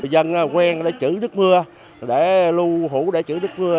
dân quen để chữa nước mưa để lưu hũ để chữa nước mưa